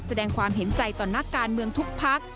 แสดงความเห็นใจต่อนักการเมืองทุกพัก